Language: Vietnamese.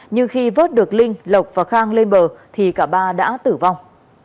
nhưng khi vớt được linh lộc và khang lên bờ thì cả ba đã tử vong